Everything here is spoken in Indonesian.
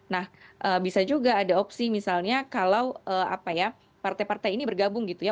nah bisa juga ada opsi misalnya kalau apa ya partai partai ini bergabung gitu ya